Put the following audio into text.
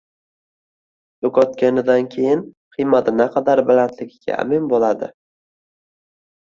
Yo‘qotganidan keyin qiymati naqadar balandligiga amin bo‘ladi.